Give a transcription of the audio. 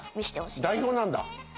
代表なんだ？